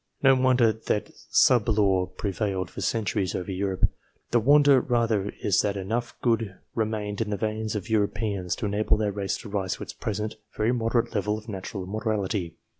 No wonder that club law prevailed for centuries over Europe ; the wonder rather is that enough good remained in the veins of Europeans to enable their race to rise to its present very moderate level of natural morality.